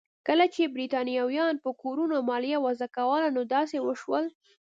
کله چې برېټانویانو په کورونو مالیه وضع کوله نو داسې وشول.